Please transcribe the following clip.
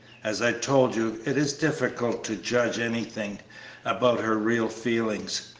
As I told you, it is difficult to judge anything about her real feelings.